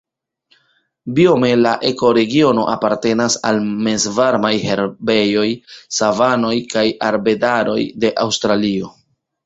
Biome la ekoregiono apartenas al mezvarmaj herbejoj, savanoj kaj arbedaroj de Aŭstralio.